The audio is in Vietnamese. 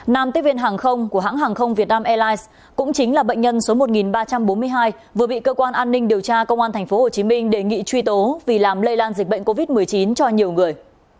nam tiếp viên hàng không của hãng hàng không việt nam airlines cũng chính là bệnh nhân số một ba trăm bốn mươi hai vừa bị cơ quan an ninh điều tra công an tp hcm đề nghị truy tố vì làm lây lan dịch bệnh covid một mươi chín cho nhiều người